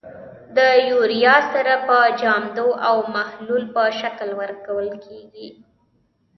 د یوریا سره په جامدو او محلول په شکل ورکول کیږي.